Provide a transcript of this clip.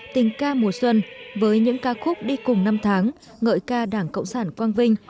tình ca mùa xuân với những ca khúc đi cùng năm tháng ngợi ca đảng cộng sản quang vinh